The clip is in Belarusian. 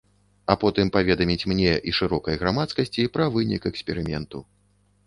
А потым паведаміць мне і шырокай грамадскасці пра вынік эксперыменту.